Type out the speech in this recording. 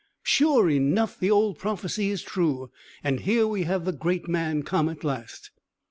"Sure enough, the old prophecy is true; and here we have the great man come, at last!"